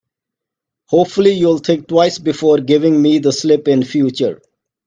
Hopefully, you'll think twice before giving me the slip in future.